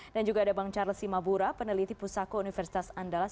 dan juga ada bang charles simabura peneliti pusako universitas andalas